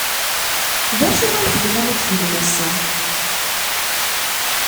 D acu ay tebɣam ad tgem ass-a?